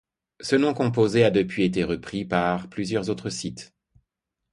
Ce nom composé a depuis été repris par plusieurs autres sites.